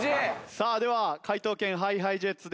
さあでは解答権ＨｉＨｉＪｅｔｓです。